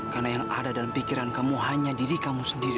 karena yang ada dalam pikiran kamu hanya diri kamu sendiri